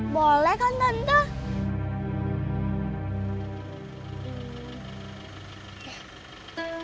boleh kan tante